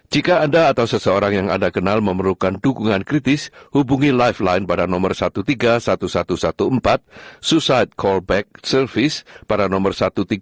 jika anda atau seseorang yang anda kenal memerlukan dukungan kritis hubungi lifeline pada nomor tiga belas seribu satu ratus empat belas suicide callback service pada nomor seribu tiga ratus enam ratus lima puluh sembilan empat ratus enam puluh tujuh